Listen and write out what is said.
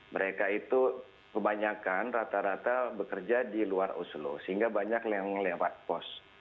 mereka itu kebanyakan rata rata bekerja di luar oslo sehingga banyak yang lewat pos